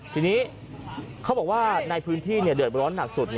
ทีนี้เขาบอกว่าในพื้นที่เดือดร้อนหนักสุด